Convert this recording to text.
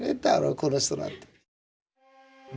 この人なんて。